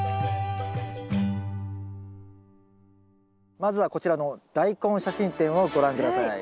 まずはこちらのダイコン写真展をご覧下さい。